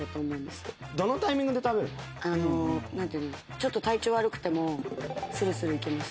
ちょっと体調悪くてもするするいけますね。